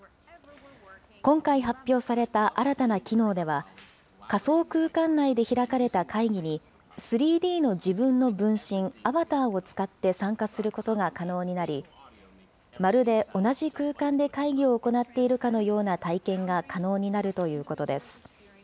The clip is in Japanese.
今回発表された新たな機能では、仮想空間内で開かれた会議に、３Ｄの自分の分身、アバターを使って参加することが可能になり、まるで同じ空間で会議を行っているかのような体験が可能になるということです。